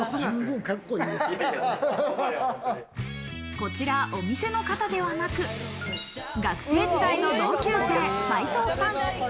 こちら、お店の方ではなく、学生時代の同級生、斉藤さん。